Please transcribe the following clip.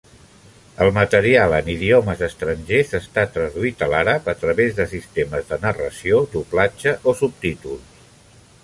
El material en idiomes estrangers està traduït a l'àrab, a través de sistemes de narració, doblatge o subtítols.